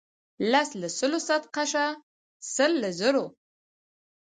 لس له سلو صدقه شه سل له زرو.